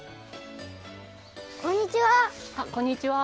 こんにちは。